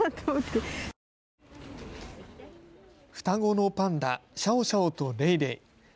双子のパンダ、シャオシャオとレイレイ。